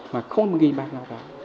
mà không có nghìn bạc nào cả